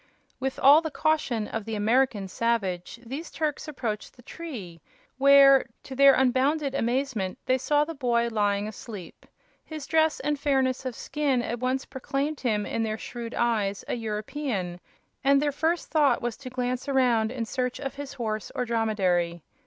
With all the caution of the American savage these Turks approached the tree, where, to their unbounded amazement, they saw the boy lying asleep. His dress and fairness of skin at once proclaimed him, in their shrewd eyes, a European, and their first thought was to glance around in search of his horse or dromedary.